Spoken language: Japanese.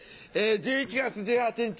１１月１８日